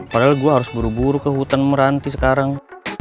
padahal gue harus buru buru ke hutan meranti sekarang